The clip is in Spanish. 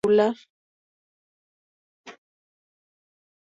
A un primer momento corresponden una torre circular y una sala adjunta.